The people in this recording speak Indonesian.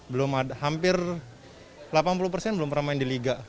belum ada hampir delapan puluh persen belum pernah main di liga